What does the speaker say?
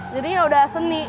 jadi yaudah seni